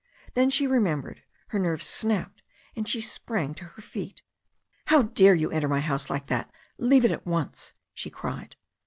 Then she remembered, her nerves snapped, and she sprang to her feet. "How dare you enter my house like that? Leave it at once," she cried.